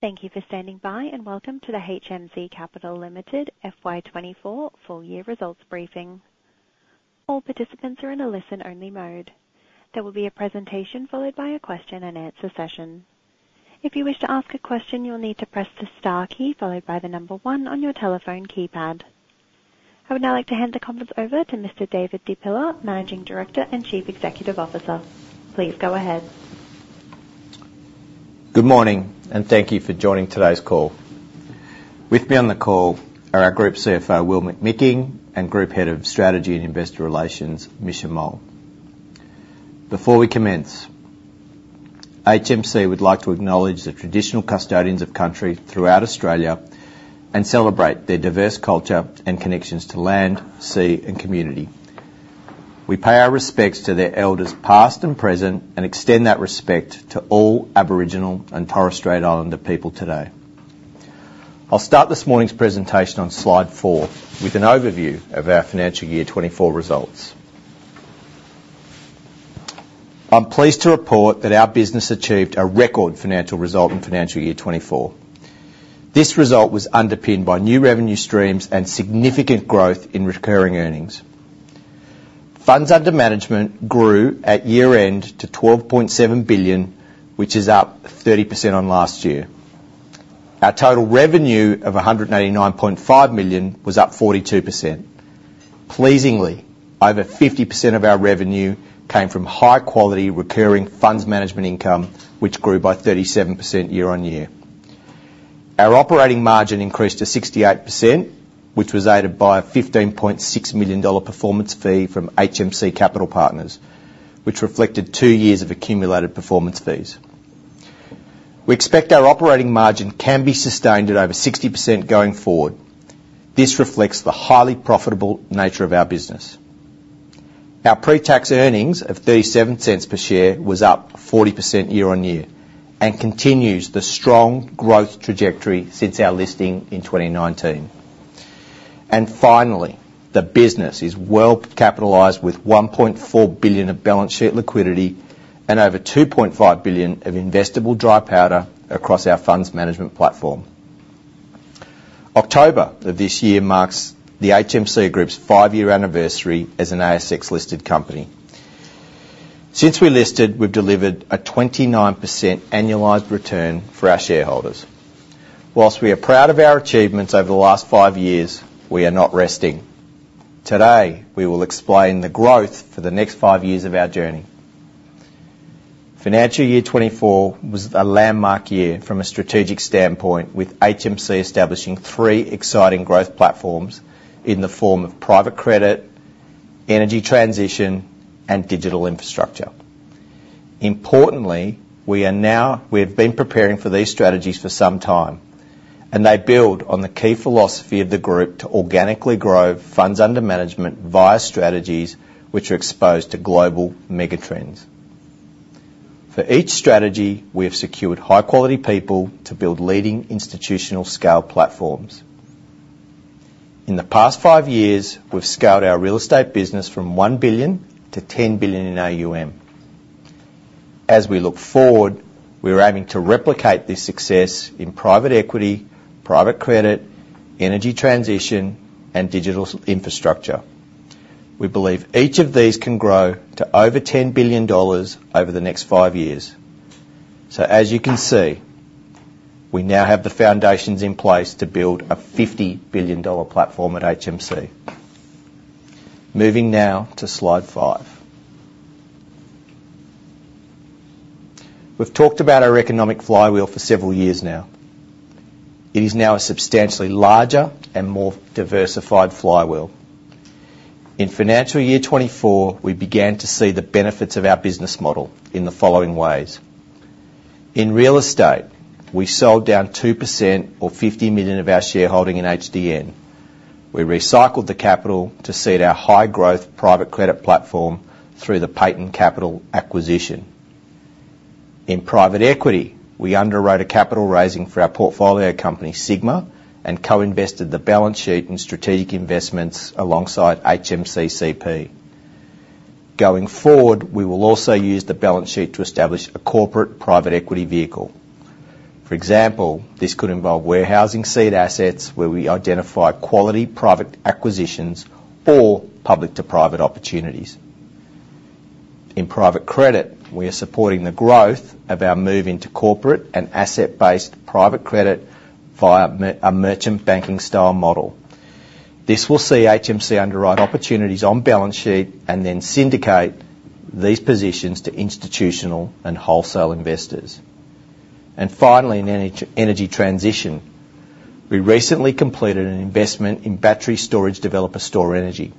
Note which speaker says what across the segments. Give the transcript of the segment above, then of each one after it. Speaker 1: Thank you for standing by, and welcome to the HMC Capital Limited FY 2024 full year results briefing. All participants are in a listen-only mode. There will be a presentation, followed by a question-and-answer session. If you wish to ask a question, you'll need to press the star key followed by the number one on your telephone keypad. I would now like to hand the conference over to Mr. David Di Pilla, Managing Director and Chief Executive Officer. Please go ahead.
Speaker 2: Good morning, and thank you for joining today's call. With me on the call are our Group CFO, Will McMicking, and Group Head of Strategy and Investor Relations, Misha Mohl. Before we commence, HMC would like to acknowledge the traditional custodians of country throughout Australia and celebrate their diverse culture and connections to land, sea, and community. We pay our respects to their elders, past and present, and extend that respect to all Aboriginal and Torres Strait Islander people today. I'll start this morning's presentation on slide four with an overview of our financial year 2024 results. I'm pleased to report that our business achieved a record financial result in financial year 2024. This result was underpinned by new revenue streams and significant growth in recurring earnings. Funds under management grew at year-end to 12.7 billion, which is up 30% on last year.
Speaker 3: Our total revenue of 189.5 million was up 42%. Pleasingly, over 50% of our revenue came from high-quality recurring funds management income, which grew by 37% year-on-year. Our operating margin increased to 68%, which was aided by a 15.6 million dollar performance fee from HMC Capital Partners, which reflected two years of accumulated performance fees. We expect our operating margin can be sustained at over 60% going forward. This reflects the highly profitable nature of our business. Our pre-tax earnings of 0.37 per share was up 40% year-on-year and continues the strong growth trajectory since our listing in 2019. Finally, the business is well capitalized with 1.4 billion of balance sheet liquidity and over 2.5 billion of investable dry powder across our funds management platform. October of this year marks the HMC Group's five-year anniversary as an ASX-listed company. Since we listed, we've delivered a 29% annualized return for our shareholders. Whilst we are proud of our achievements over the last five years, we are not resting. Today, we will explain the growth for the next five years of our journey. Financial year 2024 was a landmark year from a strategic standpoint, with HMC establishing three exciting growth platforms in the form of private credit, energy transition, and digital infrastructure. Importantly, we have been preparing for these strategies for some time, and they build on the key philosophy of the group to organically grow funds under management via strategies which are exposed to global mega trends. For each strategy, we have secured high-quality people to build leading institutional scale platforms. In the past five years, we've scaled our real estate business from 1 billion-10 billion in AUM. As we look forward, we are aiming to replicate this success in private equity, private credit, energy transition, and digital infrastructure. We believe each of these can grow to over 10 billion dollars over the next five years. So as you can see, we now have the foundations in place to build a 50 billion dollar platform at HMC. Moving now to Slide 5. We've talked about our economic flywheel for several years now. It is now a substantially larger and more diversified flywheel. In financial year 2024, we began to see the benefits of our business model in the following ways: In real estate, we sold down 2% or 50 million of our shareholding in HDN. We recycled the capital to seed our high-growth private credit platform through the Payton Capital acquisition. In private equity, we underwrote a capital raising for our portfolio company, Sigma, and co-invested the balance sheet in strategic investments alongside HMCCP. Going forward, we will also use the balance sheet to establish a corporate private equity vehicle. For example, this could involve warehousing seed assets where we identify quality private acquisitions or public to private opportunities. In Private Credit, we are supporting the growth of our move into corporate and asset-based private credit via a merchant banking style model. This will see HMC underwrite opportunities on balance sheet and then syndicate these positions to institutional and wholesale investors, and finally, in energy transition, we recently completed an investment in battery storage developer, Stor-Energy.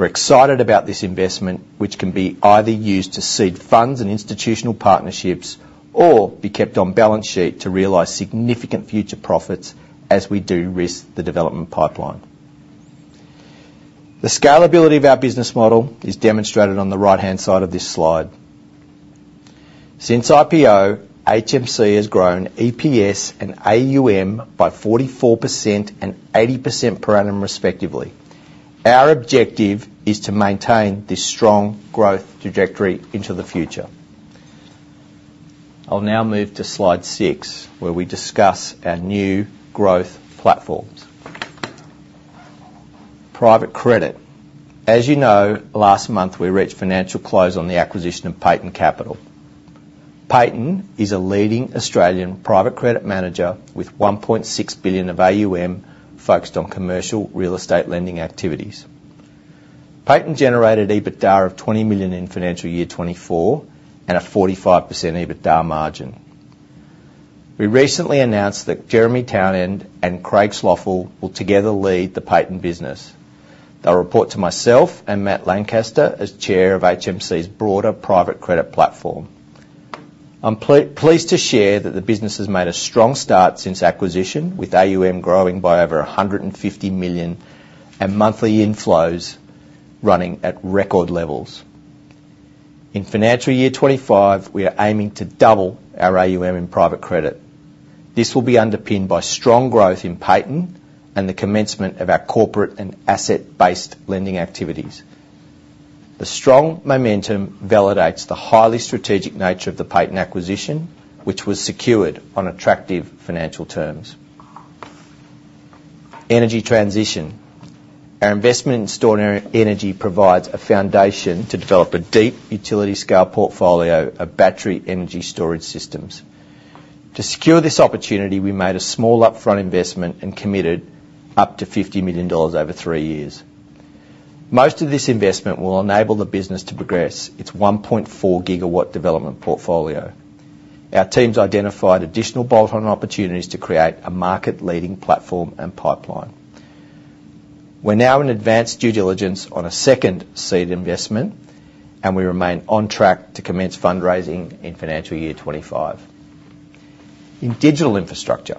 Speaker 3: We're excited about this investment, which can be either used to seed funds and institutional partnerships or be kept on balance sheet to realize significant future profits as we de-risk the development pipeline. The scalability of our business model is demonstrated on the right-hand side of this slide. Since IPO, HMC has grown EPS and AUM by 44% and 80% per annum, respectively. Our objective is to maintain this strong growth trajectory into the future. I'll now move to Slide 6, where we discuss our new growth platforms. Private Credit. As you know, last month, we reached financial close on the acquisition of Payton Capital. Payton is a leading Australian private credit manager with 1.6 billion of AUM focused on commercial real estate lending activities. Payton generated EBITDA of 20 million in financial year 2024, and a 45% EBITDA margin. We recently announced that Jeremy Townsend and Craig Schloeffel will together lead the Payton business. They'll report to myself and Matt Lancaster as chair of HMC's broader private credit platform. I'm pleased to share that the business has made a strong start since acquisition, with AUM growing by over 150 million, and monthly inflows running at record levels. In financial year 2025, we are aiming to double our AUM in private credit. This will be underpinned by strong growth in Payton and the commencement of our corporate and asset-based lending activities. The strong momentum validates the highly strategic nature of the Payton acquisition, which was secured on attractive financial terms. Energy transition. Our investment in Stor-Energy provides a foundation to develop a deep utility scale portfolio of battery energy storage systems. To secure this opportunity, we made a small upfront investment and committed up to 50 million dollars over three years. Most of this investment will enable the business to progress its 1.4 GW development portfolio. Our teams identified additional bolt-on opportunities to create a market-leading platform and pipeline. We're now in advanced due diligence on a second seed investment, and we remain on track to commence fundraising in financial year 2025. In digital infrastructure,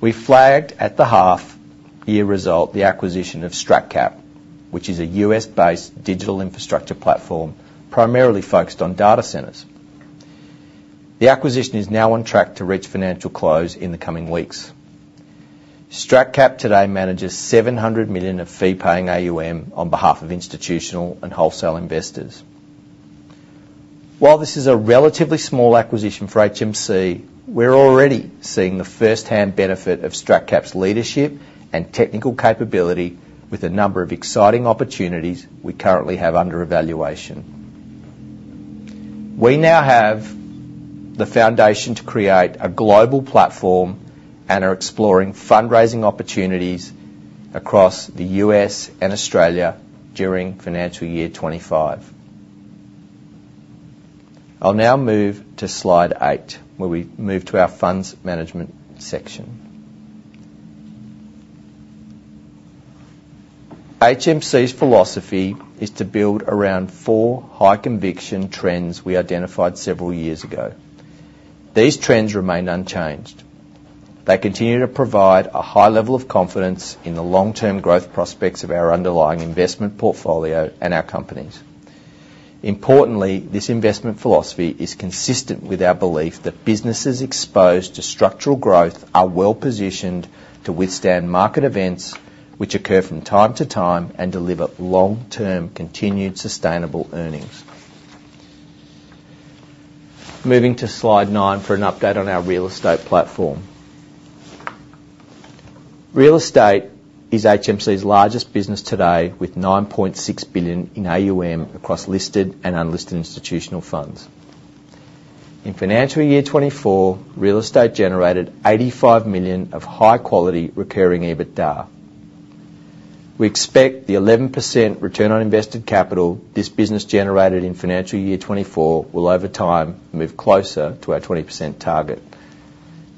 Speaker 3: we flagged at the half-year result, the acquisition of StratCap, which is a U.S.-based digital infrastructure platform, primarily focused on data centers. The acquisition is now on track to reach financial close in the coming weeks. StratCap today manages 700 million of fee-paying AUM on behalf of institutional and wholesale investors. While this is a relatively small acquisition for HMC, we're already seeing the firsthand benefit of StratCap's leadership and technical capability with a number of exciting opportunities we currently have under evaluation. We now have the foundation to create a global platform and are exploring fundraising opportunities across the U.S. and Australia during financial year 2025. I'll now move to Slide 8, where we move to our funds management section. HMC's philosophy is to build around four high-conviction trends we identified several years ago. These trends remain unchanged. They continue to provide a high level of confidence in the long-term growth prospects of our underlying investment portfolio and our companies. Importantly, this investment philosophy is consistent with our belief that businesses exposed to structural growth are well-positioned to withstand market events which occur from time to time and deliver long-term, continued, sustainable earnings. Moving to Slide 9 for an update on our real estate platform. Real estate is HMC's largest business today, with 9.6 billion in AUM across listed and unlisted institutional funds. In financial year 2024, real estate generated 85 million of high-quality recurring EBITDA. We expect the 11% return on invested capital this business generated in financial year 2024 will, over time, move closer to our 20% target.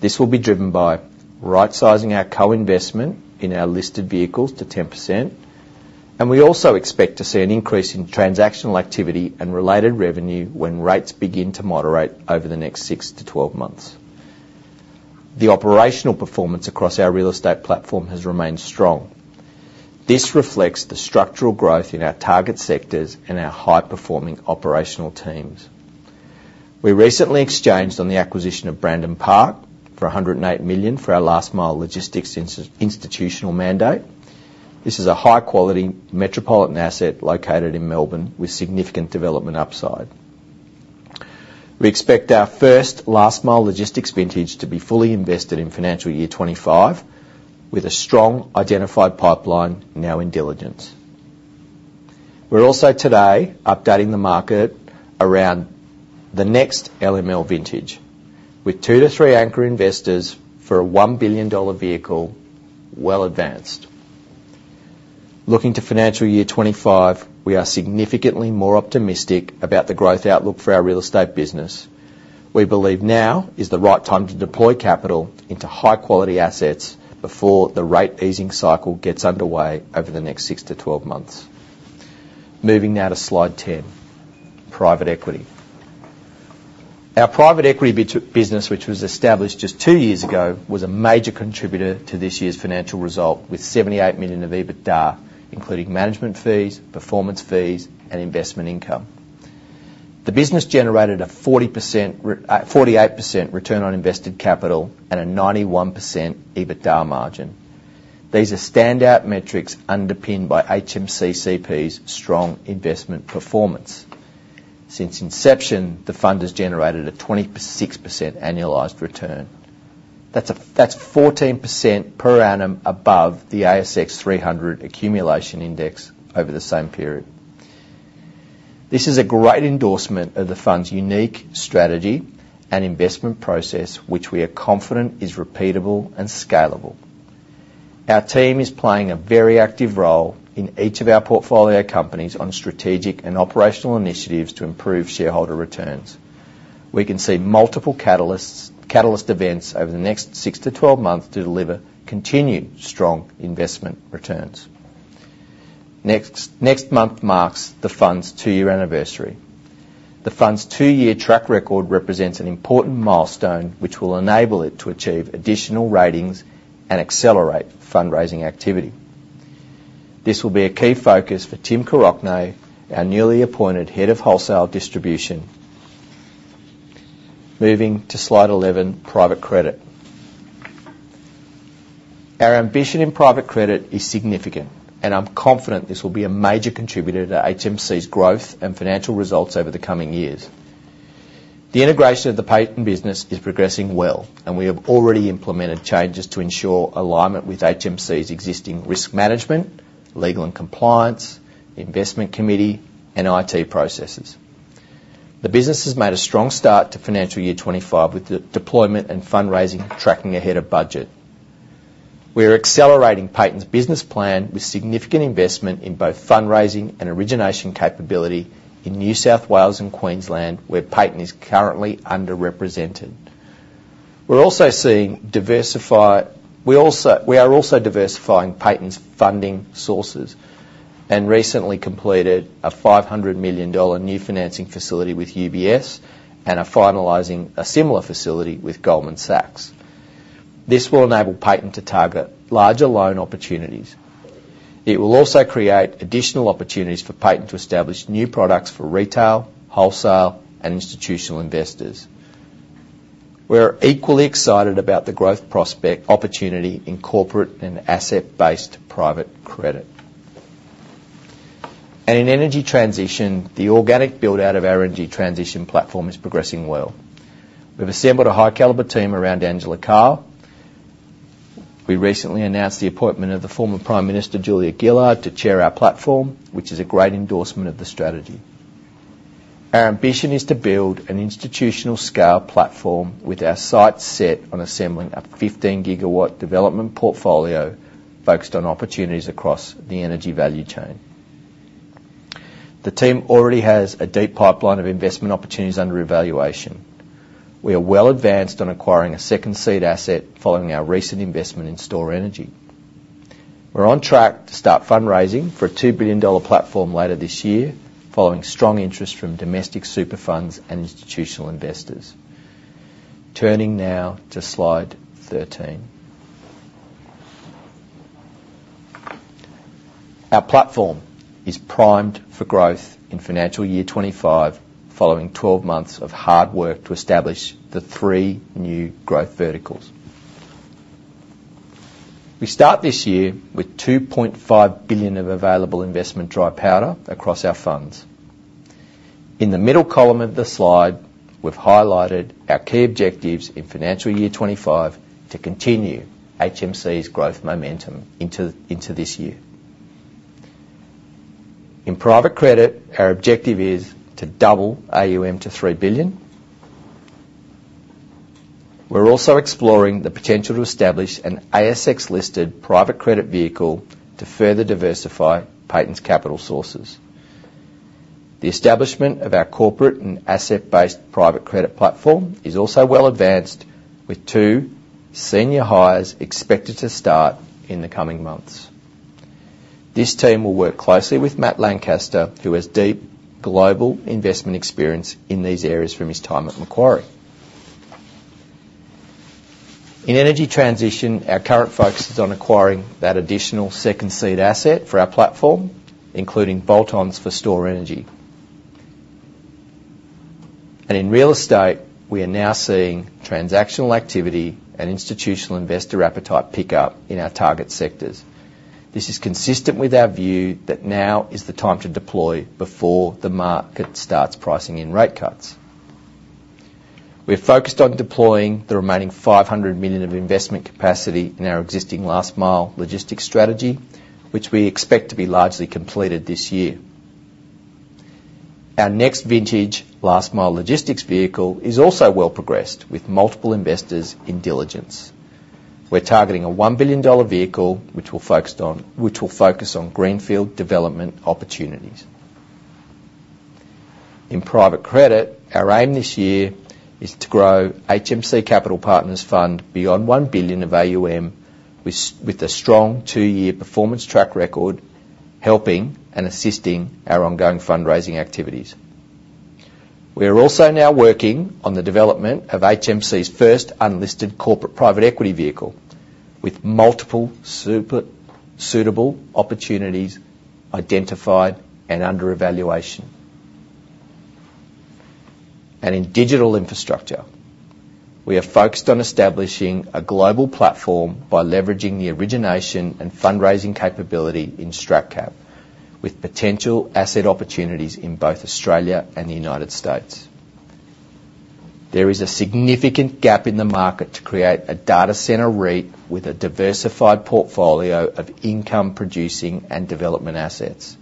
Speaker 3: This will be driven by right sizing our co-investment in our listed vehicles to 10%, and we also expect to see an increase in transactional activity and related revenue when rates begin to moderate over the next 6-12 months. The operational performance across our Real Estate platform has remained strong. This reflects the structural growth in our target sectors and our high-performing operational teams. We recently exchanged on the acquisition of Brandon Park for 108 million for our last-mile logistics institutional mandate. This is a high-quality metropolitan asset located in Melbourne, with significant development upside. We expect our first last-mile logistics vintage to be fully invested in financial year 2025, with a strong identified pipeline now in diligence. We're also today updating the market around the next LML vintage, with two to three anchor investors for a 1 billion dollar vehicle well advanced. Looking to financial year 2025, we are significantly more optimistic about the growth outlook for our real estate business. We believe now is the right time to deploy capital into high-quality assets before the rate easing cycle gets underway over the next 6-12 months. Moving now to Slide 10, Private Equity. Our Private Equity business, which was established just two years ago, was a major contributor to this year's financial result, with 78 million of EBITDA, including management fees, performance fees, and investment income. The business generated a 48% return on invested capital and a 91% EBITDA margin. These are standout metrics underpinned by HMCCP's strong investment performance. Since inception, the fund has generated a 26% annualized return. That's 14% per annum above the ASX 300 accumulation index over the same period. This is a great endorsement of the fund's unique strategy and investment process, which we are confident is repeatable and scalable. Our team is playing a very active role in each of our portfolio companies on strategic and operational initiatives to improve shareholder returns. We can see multiple catalysts, catalyst events over the next six to 12 months to deliver continued strong investment returns. Next month marks the fund's two-year anniversary. The fund's two-year track record represents an important milestone, which will enable it to achieve additional ratings and accelerate fundraising activity. This will be a key focus for Tim Koroknay, our newly appointed head of wholesale distribution. Moving to Slide 11: Private Credit. Our ambition in private credit is significant, and I'm confident this will be a major contributor to HMC's growth and financial results over the coming years. The integration of the Payton business is progressing well, and we have already implemented changes to ensure alignment with HMC's existing risk management, legal and compliance, investment committee, and IT processes. The business has made a strong start to financial year 2025, with the deployment and fundraising tracking ahead of budget. We are accelerating Payton's business plan with significant investment in both fundraising and origination capability in New South Wales and Queensland, where Payton is currently underrepresented. We're also diversifying Payton's funding sources and recently completed a 500 million dollar new financing facility with UBS and are finalizing a similar facility with Goldman Sachs. This will enable Payton to target larger loan opportunities. It will also create additional opportunities for Payton to establish new products for retail, wholesale, and institutional investors. We're equally excited about the growth prospect opportunity in corporate and asset-based private credit, and in energy transition, the organic build-out of our energy transition platform is progressing well. We've assembled a high caliber team around Angela Carr. We recently announced the appointment of the former Prime Minister, Julia Gillard, to chair our platform, which is a great endorsement of the strategy. Our ambition is to build an institutional scale platform with our sights set on assembling a 15 GW development portfolio focused on opportunities across the energy value chain. The team already has a deep pipeline of investment opportunities under evaluation. We are well advanced on acquiring a second seed asset following our recent investment in Stor-Energy. We're on track to start fundraising for an 2 billion dollar platform later this year, following strong interest from domestic super funds and institutional investors. Turning now to Slide 13. Our platform is primed for growth in financial year 2025, following 12 months of hard work to establish the three new growth verticals. We start this year with 2.5 billion of available investment dry powder across our funds. In the middle column of the slide, we've highlighted our key objectives in financial year 2025 to continue HMC's growth momentum into this year. In Private Credit, our objective is to double AUM to 3 billion. We're also exploring the potential to establish an ASX-listed private credit vehicle to further diversify Payton's capital sources. The establishment of our corporate and asset-based Private Credit platform is also well advanced, with two senior hires expected to start in the coming months. This team will work closely with Matt Lancaster, who has deep global investment experience in these areas from his time at Macquarie. In energy transition, our current focus is on acquiring that additional second seed asset for our platform, including bolt-ons for Stor-Energy. And in real estate, we are now seeing transactional activity and institutional investor appetite pick up in our target sectors. This is consistent with our view that now is the time to deploy before the market starts pricing in rate cuts. We are focused on deploying the remaining 500 million of investment capacity in our existing last-mile logistics strategy, which we expect to be largely completed this year. Our next vintage last-mile logistics vehicle is also well progressed, with multiple investors in diligence. We're targeting a 1 billion dollar vehicle, which will focus on greenfield development opportunities. In Private Credit, our aim this year is to grow HMC Capital Partners Fund beyond 1 billion of AUM, with a strong two-year performance track record, helping and assisting our ongoing fundraising activities. We are also now working on the development of HMC's first unlisted corporate private equity vehicle with multiple super suitable opportunities identified and under evaluation. In digital infrastructure, we are focused on establishing a global platform by leveraging the origination and fundraising capability in StratCap, with potential asset opportunities in both Australia and the United States. There is a significant gap in the market to create a data center REIT with a diversified portfolio of income-producing and development assets.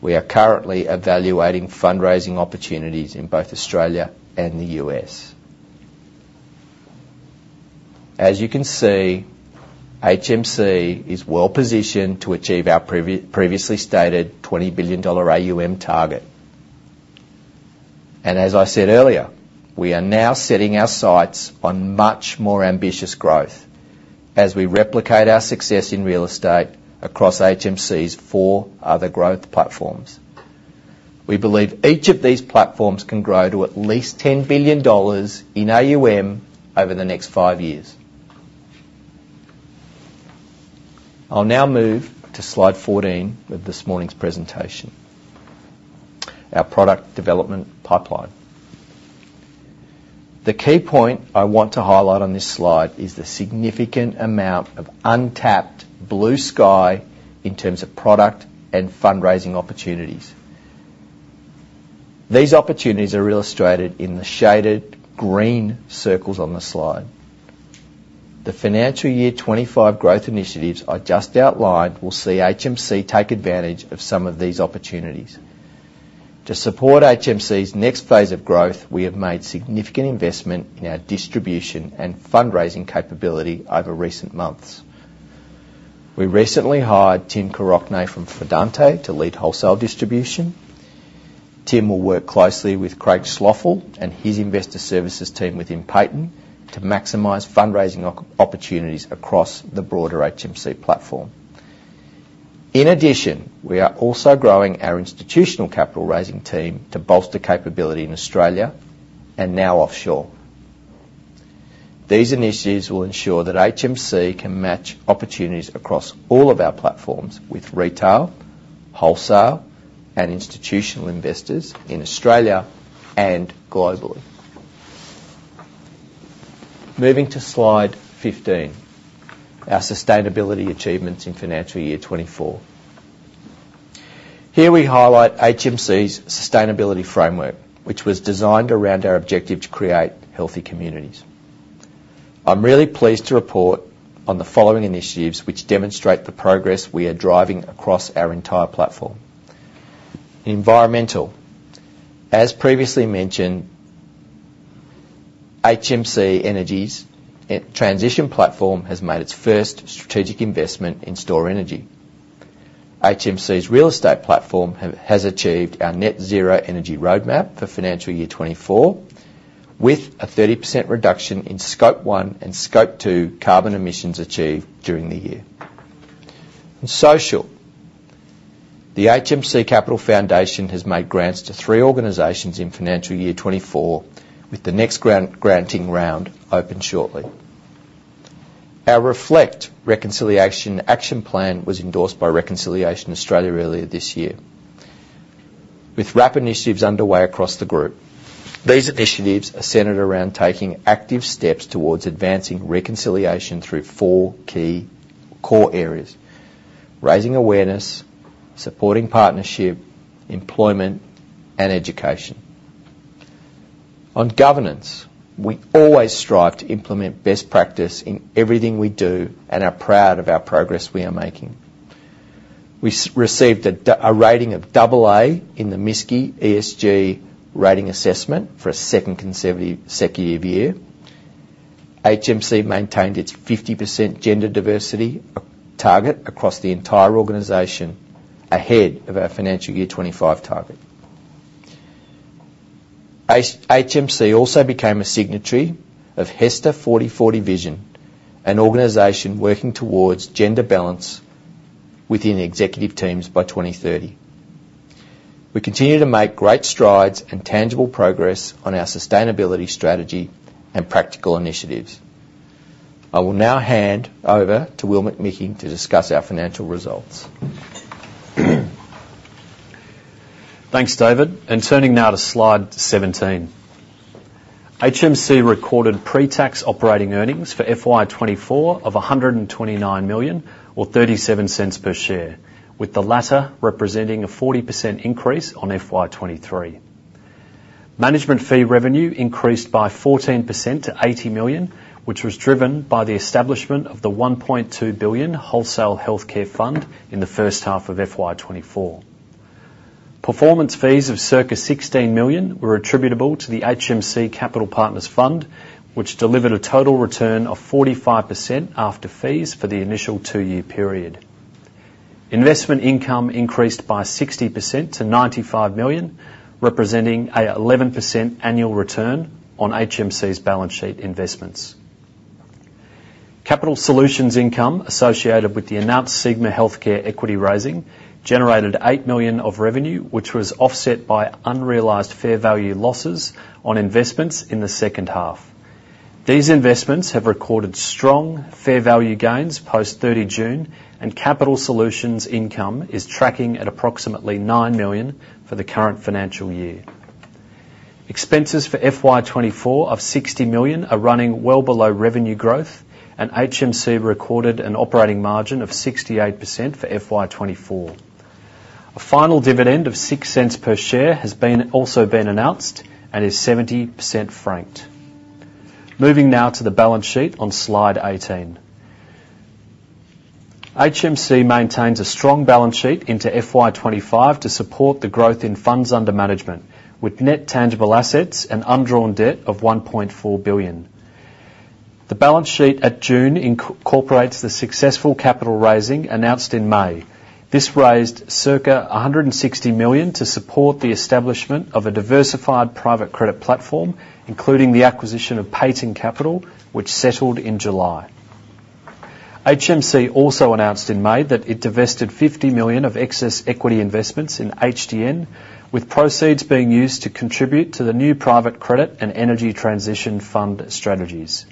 Speaker 3: We are currently evaluating fundraising opportunities in both Australia and the U.S. As you can see, HMC is well-positioned to achieve our previously stated AUD 20 billion AUM target. And as I said earlier, we are now setting our sights on much more ambitious growth as we replicate our success in real estate across HMC's four other growth platforms. We believe each of these platforms can grow to at least 10 billion dollars in AUM over the next 5 years. I'll now move to Slide 14 of this morning's presentation, our Product Development Pipeline. The key point I want to highlight on this slide is the significant amount of untapped blue sky in terms of product and fundraising opportunities. These opportunities are illustrated in the shaded green circles on the slide. The financial year 2025 growth initiatives I just outlined will see HMC take advantage of some of these opportunities. To support HMC's next phase of growth, we have made significant investment in our distribution and fundraising capability over recent months. We recently hired Tim Koroknay from Fidante to lead wholesale distribution. Tim will work closely with Craig Schloeffel and his investor services team within Payton to maximize fundraising opportunities across the broader HMC platform. In addition, we are also growing our institutional capital raising team to bolster capability in Australia and now offshore. These initiatives will ensure that HMC can match opportunities across all of our platforms, with retail, wholesale, and institutional investors in Australia and globally. Moving to Slide 15, our Sustainability Achievements in financial year 2024. Here, we highlight HMC's sustainability framework, which was designed around our objective to create healthy communities. I'm really pleased to report on the following initiatives, which demonstrate the progress we are driving across our entire platform. Environmental. As previously mentioned, HMC Energy Transition Platform has made its first strategic investment in Stor-Energy. HMC's real estate platform has achieved our net zero energy roadmap for financial year 2024, with a 30% reduction in Scope 1 and Scope 2 carbon emissions achieved during the year. And social. The HMC Capital Foundation has made grants to three organizations in financial year 2024, with the next granting round open shortly. Our Reflect Reconciliation Action Plan was endorsed by Reconciliation Australia earlier this year. With rapid initiatives underway across the group, these initiatives are centered around taking active steps towards advancing reconciliation through four key core areas: raising awareness, supporting partnership, employment, and education. On governance, we always strive to implement best practice in everything we do and are proud of our progress we are making. We received a rating of AA in the MSCI ESG rating assessment for a second consecutive year. HMC maintained its 50% gender diversity target across the entire organization, ahead of our financial year 2025 target. HMC also became a signatory of HESTA 40:40 Vision, an organization working towards gender balance within executive teams by 2030. We continue to make great strides and tangible progress on our sustainability strategy and practical initiatives. I will now hand over to Will McMicking to discuss our financial results.
Speaker 4: Thanks, David. And turning now to Slide 17. HMC recorded pre-tax operating earnings for FY 2024 of 129 million or 0.37 per share, with the latter representing a 40% increase on FY 2023. Management fee revenue increased by 14% to 80 million, which was driven by the establishment of the 1.2 billion wholesale healthcare fund in the first half of FY 2024. Performance fees of circa 16 million were attributable to the HMC Capital Partners Fund, which delivered a total return of 45% after fees for the initial two-year period. Investment income increased by 60% to 95 million, representing a 11% annual return on HMC's balance sheet investments. Capital Solutions income associated with the announced Sigma Healthcare equity raising generated 8 million of revenue, which was offset by unrealized fair value losses on investments in the second half.
Speaker 3: These investments have recorded strong fair value gains post 30 June, and capital solutions income is tracking at approximately 9 million for the current financial year. Expenses for FY 2024 of 60 million are running well below revenue growth, and HMC recorded an operating margin of 68% for FY 2024. A final dividend of 0.06 per share has also been announced and is 70% franked. Moving now to the balance sheet on Slide 18. HMC maintains a strong balance sheet into FY 2025 to support the growth in funds under management, with net tangible assets and undrawn debt of AUD 1.4 billion. The balance sheet at June incorporates the successful capital raising announced in May. This raised circa 160 million to support the establishment of a diversified Private Credit platform, including the acquisition of Payton Capital, which settled in July. HMC also announced in May that it divested 50 million of excess equity investments in HDN, with proceeds being used to contribute to the new private credit and energy transition fund strategies.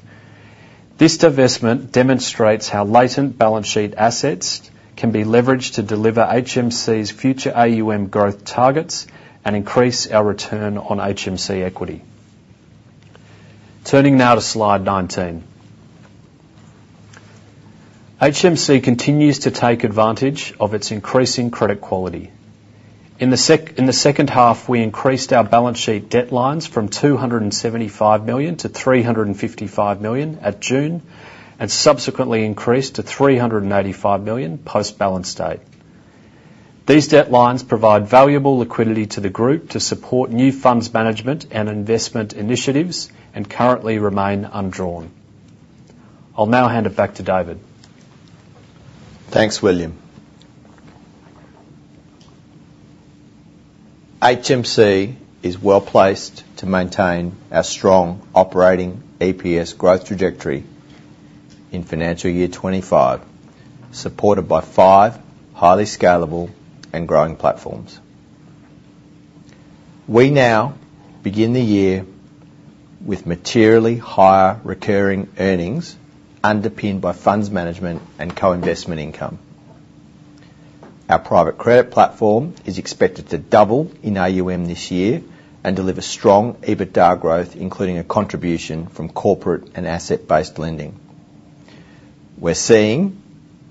Speaker 3: This divestment demonstrates how latent balance sheet assets can be leveraged to deliver HMC's future AUM growth targets and increase our return on HMC equity. Turning now to Slide 19. HMC continues to take advantage of its increasing credit quality. In the second half, we increased our balance sheet debt lines from 275 million-355 million at June, and subsequently increased to 385 million post-balance date. These debt lines provide valuable liquidity to the group to support new funds management and investment initiatives and currently remain undrawn. I'll now hand it back to David.
Speaker 2: Thanks, William. HMC is well-placed to maintain our strong operating EPS growth trajectory in financial year twenty-five, supported by five highly scalable and growing platforms. We now begin the year with materially higher recurring earnings, underpinned by funds management and co-investment income. Our private credit platform is expected to double in AUM this year and deliver strong EBITDA growth, including a contribution from corporate and asset-based lending. We're seeing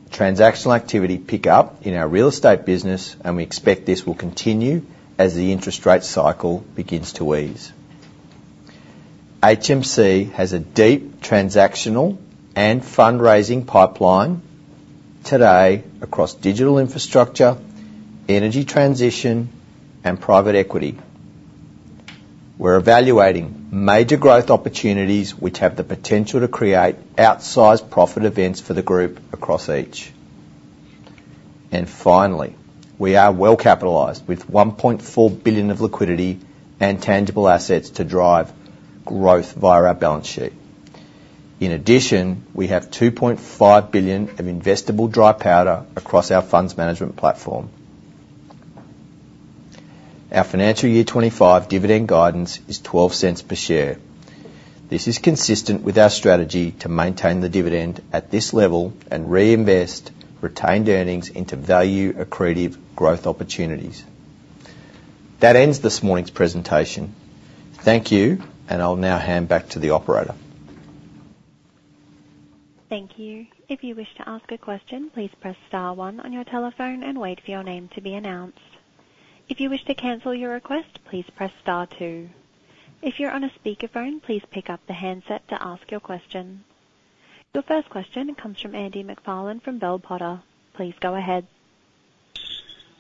Speaker 2: transactional activity pick up in our real estate business, and we expect this will continue as the interest rate cycle begins to ease. HMC has a deep transactional and fundraising pipeline today across digital infrastructure, energy transition, and private equity. We're evaluating major growth opportunities, which have the potential to create outsized profit events for the group across each.
Speaker 3: Finally, we are well capitalized with 1.4 billion of liquidity and tangible assets to drive growth via our balance sheet. In addition, we have 2.5 billion of investable dry powder across our funds management platform. Our financial year 2025 dividend guidance is 0.12 per share. This is consistent with our strategy to maintain the dividend at this level and reinvest retained earnings into value-accretive growth opportunities. That ends this morning's presentation. Thank you, and I'll now hand back to the operator.
Speaker 1: Thank you. If you wish to ask a question, please press Star one on your telephone and wait for your name to be announced. If you wish to cancel your request, please press Star two. If you're on a speakerphone, please pick up the handset to ask your question. Your first question comes from Andy MacFarlane from Bell Potter. Please go ahead.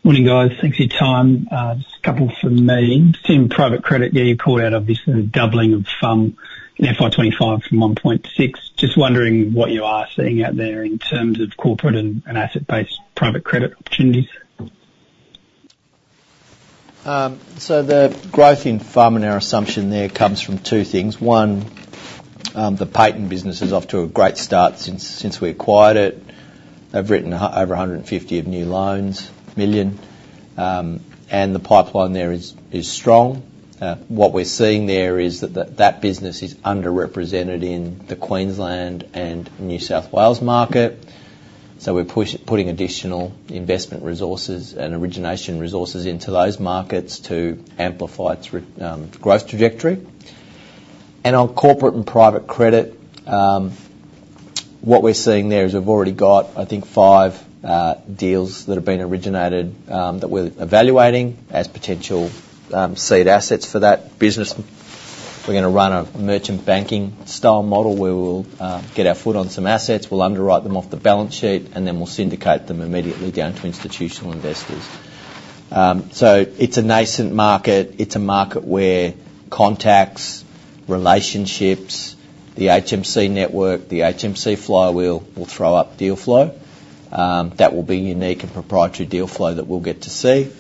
Speaker 3: Morning, guys. Thanks for your time. Just a couple from me. Seeing Private Credit, yeah, you called out, obviously, the doubling of FY2025 from 1.6. Just wondering what you are seeing out there in terms of corporate and asset-based private credit opportunities.
Speaker 2: So the growth in FUM and our assumption there comes from two things: One, the Payton business is off to a great start since we acquired it. They've written over 150 million of new loans, and the pipeline there is strong. What we're seeing there is that business is underrepresented in the Queensland and New South Wales market, so we're putting additional investment resources and origination resources into those markets to amplify its growth trajectory. And on corporate and private credit, what we're seeing there is we've already got, I think, five deals that have been originated, that we're evaluating as potential seed assets for that business.
Speaker 3: We're gonna run a merchant banking style model, where we will get our foot on some assets, we'll underwrite them off the balance sheet, and then we'll syndicate them immediately down to institutional investors, so it's a nascent market. It's a market where contacts, relationships, the HMC network, the HMC flywheel will throw up deal flow that will be unique and proprietary deal flow that we'll get to see,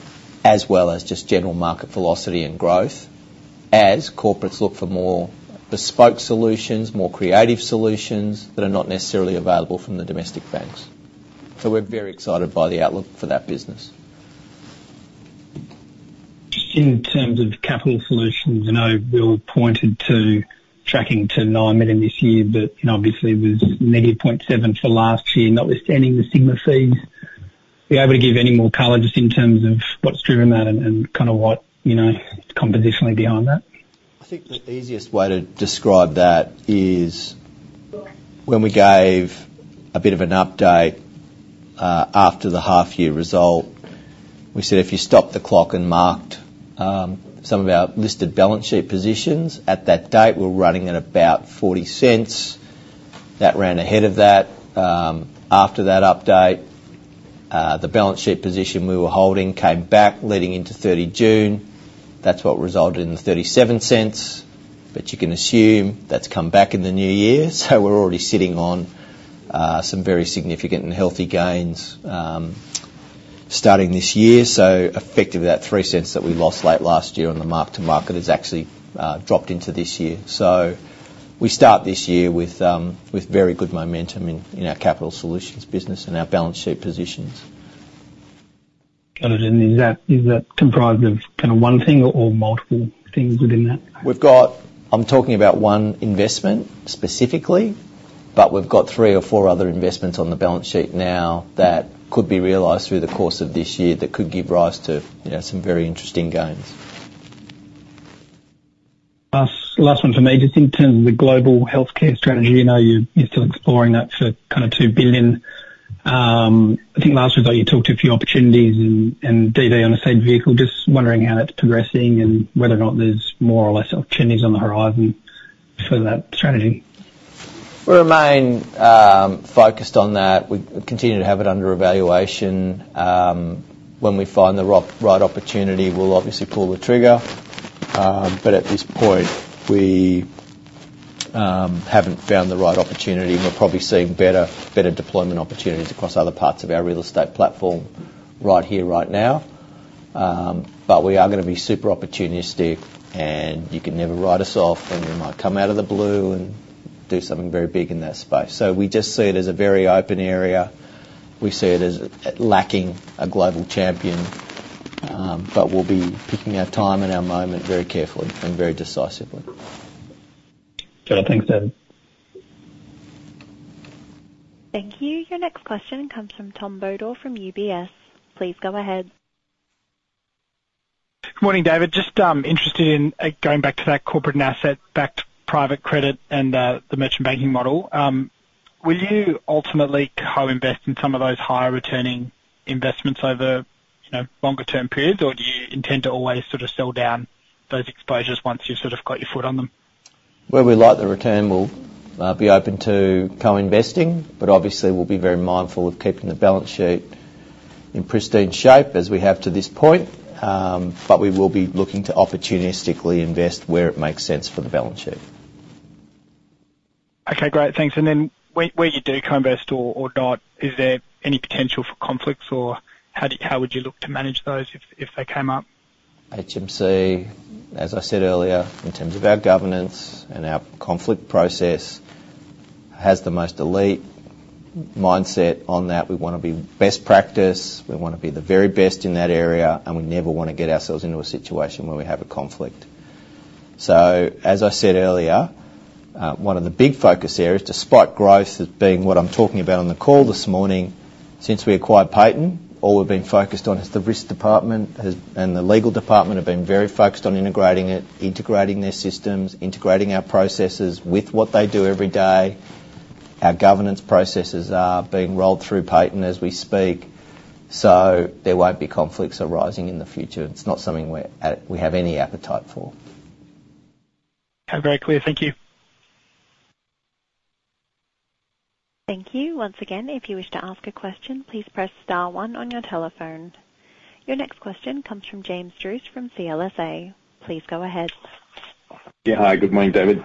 Speaker 3: as well as just general market velocity and growth as corporates look for more bespoke solutions, more creative solutions, that are not necessarily available from the domestic banks, so we're very excited by the outlook for that business. Just in terms of Capital Solutions, I know Will pointed to tracking to 9 million this year, but, you know, obviously, it was -0.7 million for last year, notwithstanding the Sigma fees. Are you able to give any more color just in terms of what's driven that and kind of what, you know, compositionally behind that?
Speaker 2: I think the easiest way to describe that is when we gave a bit of an update after the half year result, we said, if you stop the clock and marked some of our listed balance sheet positions at that date, we're running at about 0.40. That ran ahead of that. After that update, the balance sheet position we were holding came back leading into 30 June. That's what resulted in the 0.37, but you can assume that's come back in the new year. So we're already sitting on some very significant and healthy gains starting this year. So effectively, that 0.03 that we lost late last year on the mark-to-market has actually dropped into this year. So we start this year with very good momentum in our Capital Solutions business and our balance sheet positions.
Speaker 3: Got it. And is that, is that comprised of kind of one thing or multiple things within that?
Speaker 2: We've got. I'm talking about one investment specifically, but we've got three or four other investments on the balance sheet now that could be realized through the course of this year, that could give rise to, you know, some very interesting gains.
Speaker 3: Last, last one for me, just in terms of the global healthcare strategy, we know you're still exploring that for kind of 2 billion. I think last week, though, you talked a few opportunities and DD on the same vehicle, just wondering how that's progressing and whether or not there's more or less opportunities on the horizon for that strategy.
Speaker 2: We remain focused on that. We continue to have it under evaluation. When we find the right opportunity, we'll obviously pull the trigger. But at this point, we haven't found the right opportunity, and we're probably seeing better deployment opportunities across other parts of our real estate platform right here, right now. But we are gonna be super opportunistic, and you can never write us off, and we might come out of the blue and do something very big in that space. So we just see it as a very open area. We see it as lacking a global champion, but we'll be picking our time and our moment very carefully and very decisively.
Speaker 3: Got it. Thanks, David.
Speaker 1: Thank you. Your next question comes from Tom Bodor, from UBS. Please go ahead.
Speaker 5: Good morning, David. Just interested in going back to that corporate and asset-backed Private Credit and the merchant banking model. Will you ultimately co-invest in some of those higher returning investments over, you know, longer-term periods, or do you intend to always sort of sell down those exposures once you've sort of got your foot on them?
Speaker 2: Where we like the return, we'll be open to co-investing, but obviously, we'll be very mindful of keeping the balance sheet in pristine shape as we have to this point, but we will be looking to opportunistically invest where it makes sense for the balance sheet.
Speaker 5: Okay, great. Thanks. And then where you do co-invest or not, is there any potential for conflicts, or how would you look to manage those if they came up?
Speaker 2: HMC, as I said earlier, in terms of our governance and our conflict process, has the most elite mindset on that. We wanna be best practice, we wanna be the very best in that area, and we never wanna get ourselves into a situation where we have a conflict. So as I said earlier, one of the big focus areas, despite growth, as being what I'm talking about on the call this morning, since we acquired Payton, all we've been focused on is the risk department and the legal department have been very focused on integrating it, integrating their systems, integrating our processes with what they do every day. Our governance processes are being rolled through Payton as we speak. So there won't be conflicts arising in the future. It's not something we have any appetite for.
Speaker 5: Very clear. Thank you.
Speaker 1: Thank you. Once again, if you wish to ask a question, please press star one on your telephone. Your next question comes from James Druce, from CLSA. Please go ahead.
Speaker 6: Yeah. Hi, good morning, David.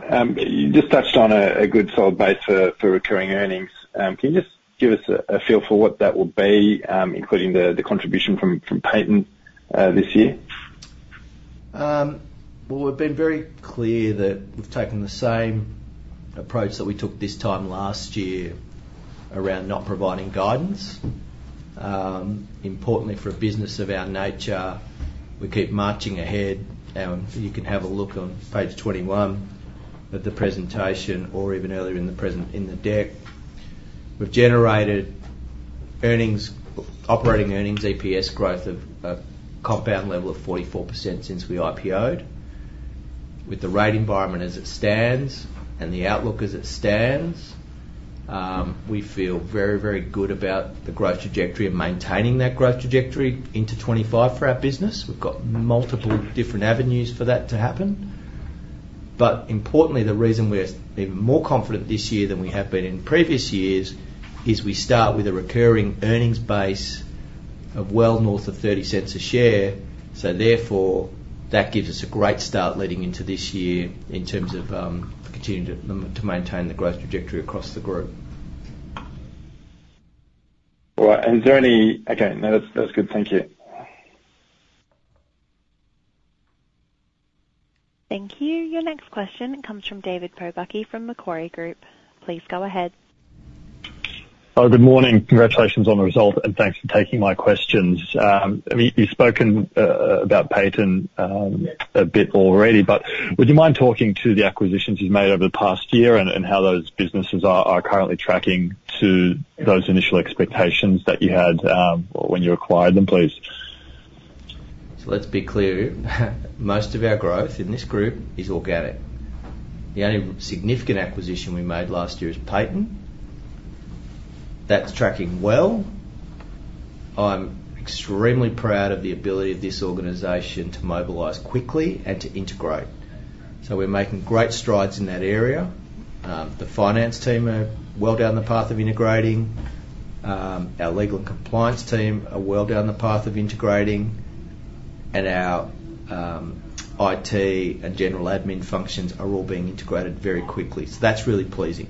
Speaker 6: You just touched on a good solid base for recurring earnings. Can you just give us a feel for what that will be, including the contribution from Payton, this year?
Speaker 2: Well, we've been very clear that we've taken the same approach that we took this time last year around not providing guidance. Importantly, for a business of our nature, we keep marching ahead. You can have a look on page 21 of the presentation or even earlier in the presentation in the deck. We've generated earnings, operating earnings, EPS growth of a compound level of 44% since we IPO'd. With the rate environment as it stands and the outlook as it stands, we feel very, very good about the growth trajectory of maintaining that growth trajectory into 2025 for our business. We've got multiple different avenues for that to happen. But importantly, the reason we're even more confident this year than we have been in previous years is we start with a recurring earnings base of well north of 0.30 a share.
Speaker 3: So therefore, that gives us a great start leading into this year in terms of continuing to maintain the growth trajectory across the group.
Speaker 6: All right. And is there any... Okay, no, that's good. Thank you.
Speaker 1: Thank you. Your next question comes from David Pobucki from Macquarie Group. Please go ahead.
Speaker 7: Oh, good morning. Congratulations on the result, and thanks for taking my questions. I mean, you've spoken about Payton a bit already, but would you mind talking to the acquisitions you've made over the past year and how those businesses are currently tracking to those initial expectations that you had when you acquired them, please?
Speaker 2: So let's be clear. Most of our growth in this group is organic. The only significant acquisition we made last year is Payton. That's tracking well. I'm extremely proud of the ability of this organization to mobilize quickly and to integrate. So we're making great strides in that area. The Finance team are well down the path of integrating. Our legal and compliance team are well down the path of integrating, and our IT and general admin functions are all being integrated very quickly. So that's really pleasing.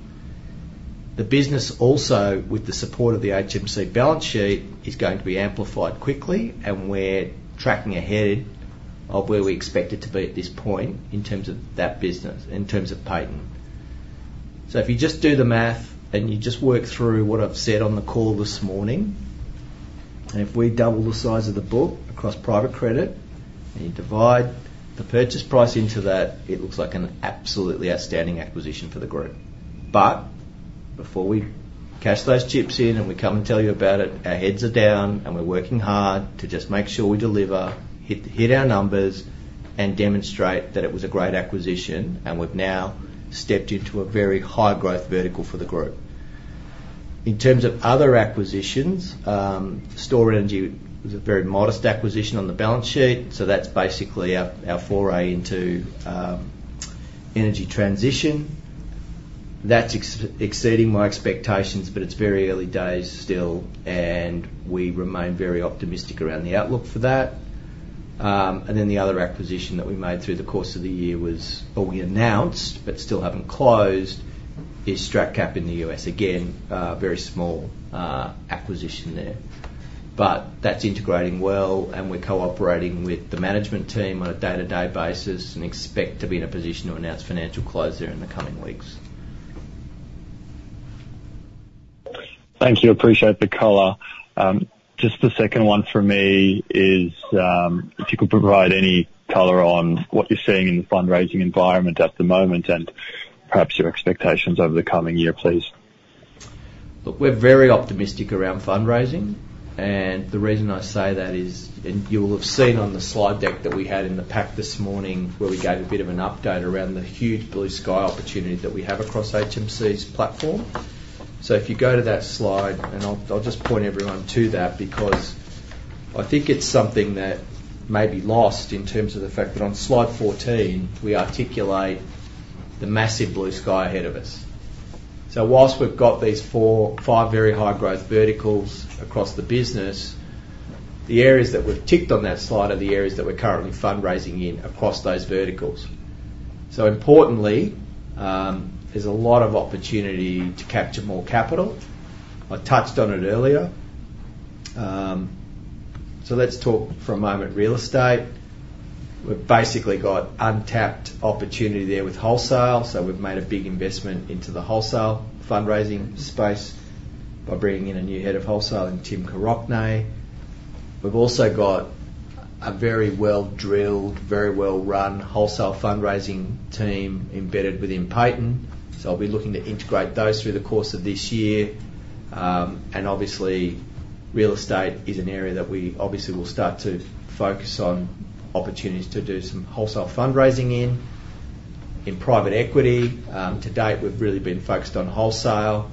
Speaker 2: The business also, with the support of the HMC balance sheet, is going to be amplified quickly, and we're tracking ahead of where we expect it to be at this point in terms of that business, in terms of Payton.
Speaker 3: If you just do the math, and you just work through what I've said on the call this morning, and if we double the size of the book across Private Credit, and you divide the purchase price into that, it looks like an absolutely outstanding acquisition for the group. But before we cash those chips in and we come and tell you about it, our heads are down, and we're working hard to just make sure we deliver, hit our numbers, and demonstrate that it was a great acquisition, and we've now stepped into a very high growth vertical for the group. In terms of other acquisitions, Stor-Energy was a very modest acquisition on the balance sheet, so that's basically our foray into energy transition. That's exceeding my expectations, but it's very early days still, and we remain very optimistic around the outlook for that. And then, the other acquisition that we made through the course of the year was... or we announced, but still haven't closed, is StratCap in the U.S. Again, very small, acquisition there. But that's integrating well, and we're cooperating with the management team on a day-to-day basis and expect to be in a position to announce financial close there in the coming weeks.
Speaker 7: Thank you. Appreciate the color. Just the second one for me is, if you could provide any color on what you're seeing in the fundraising environment at the moment and perhaps your expectations over the coming year, please.
Speaker 2: Look, we're very optimistic around fundraising, and the reason I say that is, and you will have seen on the slide deck that we had in the pack this morning, where we gave a bit of an update around the huge blue sky opportunity that we have across HMC's platform. So if you go to that slide, and I'll just point everyone to that because I think it's something that may be lost in terms of the fact that on Slide 14, we articulate the massive blue sky ahead of us. So while we've got these four, five very high growth verticals across the business, the areas that we've ticked on that slide are the areas that we're currently fundraising in across those verticals. So importantly, there's a lot of opportunity to capture more capital. I touched on it earlier.
Speaker 3: So let's talk for a moment real estate. We've basically got untapped opportunity there with wholesale, so we've made a big investment into the wholesale fundraising space by bringing in a new head of wholesale in Tim Koroknay. We've also got a very well-drilled, very well-run wholesale fundraising team embedded within Payton, so I'll be looking to integrate those through the course of this year, and obviously, real estate is an area that we obviously will start to focus on opportunities to do some wholesale fundraising in. In Private Equity, to date, we've really been focused on wholesale.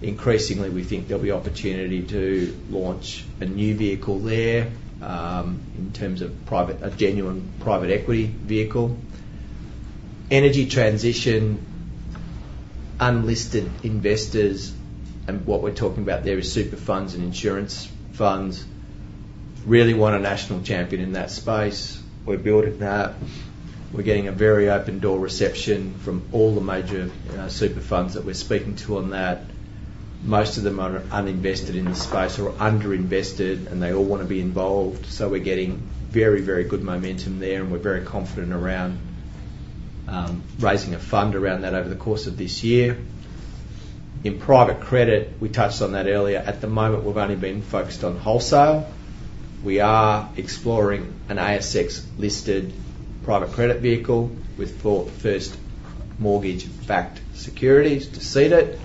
Speaker 3: Increasingly, we think there'll be opportunity to launch a new vehicle there, in terms of a genuine private equity vehicle. Energy transition, unlisted investors, and what we're talking about there is super funds and insurance funds. Really want a national champion in that space. We're building that. We're getting a very open door reception from all the major super funds that we're speaking to on that. Most of them are uninvested in the space or underinvested, and they all want to be involved, so we're getting very, very good momentum there, and we're very confident around raising a fund around that over the course of this year. In private credit, we touched on that earlier. At the moment, we've only been focused on wholesale. We are exploring an ASX-listed private credit vehicle with four first mortgage-backed securities to seed it.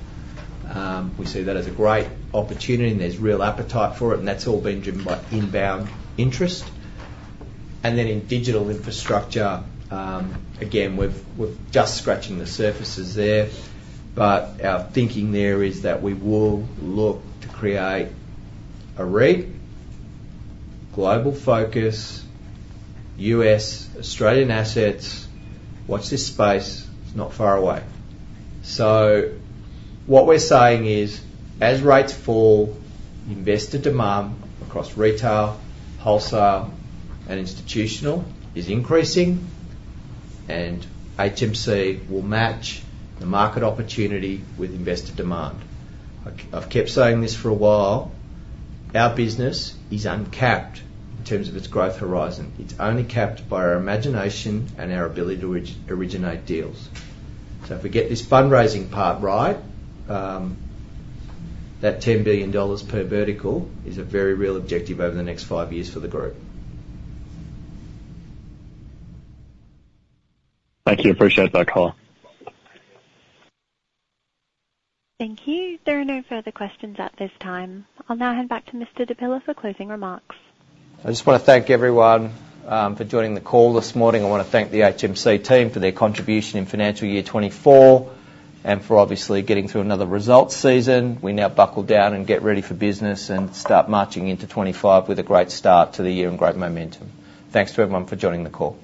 Speaker 3: We see that as a great opportunity, and there's real appetite for it, and that's all been driven by inbound interest. And then, in digital infrastructure, again, we're just scratching the surface there. But our thinking there is that we will look to create a REIT, global focus, U.S., Australian assets. Watch this space. It's not far away. So what we're saying is, as rates fall, investor demand across retail, wholesale, and institutional is increasing, and HMC will match the market opportunity with investor demand. I've kept saying this for a while, our business is uncapped in terms of its growth horizon. It's only capped by our imagination and our ability to originate deals. So if we get this fundraising part right, that 10 billion dollars per vertical is a very real objective over the next five years for the group.
Speaker 7: Thank you. Appreciate that call.
Speaker 1: Thank you. There are no further questions at this time. I'll now hand back to Mr. Di Pilla for closing remarks.
Speaker 2: I just wanna thank everyone for joining the call this morning. I wanna thank the HMC team for their contribution in financial year 2024 and for obviously getting through another results season. We now buckle down and get ready for business and start marching into 2025 with a great start to the year and great momentum. Thanks to everyone for joining the call.